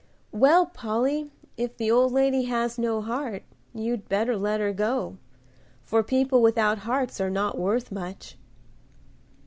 "Well, Polly, if the old lady has no heart you'd better let her go, for people without hearts are not worth much."